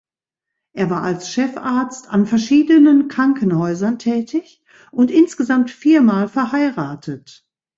Er war als Chefarzt an verschiedenen Krankenhäusern tätig und insgesamt viermal verheiratet.